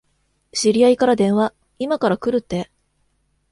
知り合いから電話、いまから来るって。